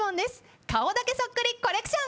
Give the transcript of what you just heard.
顔だけそっくりコレクション。